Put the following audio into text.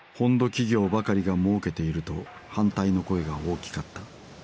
企業ばかりがもうけていると反対の声が大きかった。